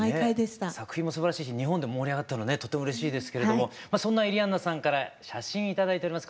作品もすばらしいし日本で盛り上がったのとてもうれしいですけれどもそんなエリアンナさんから写真頂いております。